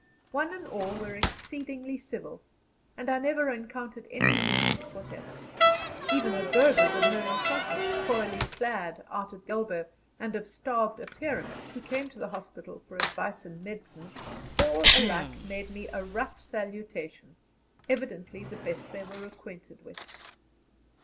One and all were exceedingly civil, and I never encountered any rudeness whatever. Even the burghers of no importance, poorly clad, out at elbow, and of starved appearance, who came to the hospital for advice and medicines, all alike made me a rough salutation, evidently the best they were acquainted with.